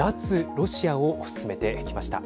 ロシアを進めてきました。